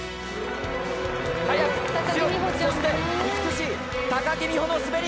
早く強くそして美しい木美帆の滑り。